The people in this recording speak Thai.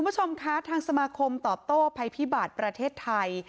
คุณผู้ชมคะทางสมาคมตอบโต้ภัยพิบัติประเทศไทย